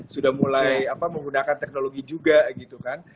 sudah mulai menggunakan teknologi juga gitu kan